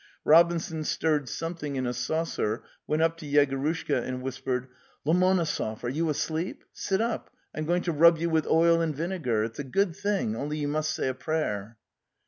Robinson stirred something in a saucer, went up to Yegorushka and whispered: "TVomonosov, are you asleep? Sit up; I'm go ing to rub you with oil and vinegar. It's a good thing, only you must say a prayer."